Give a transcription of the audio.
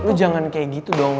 lu jangan kayak gitu dong